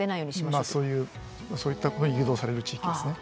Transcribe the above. まあそういったことに誘導される地域ですね。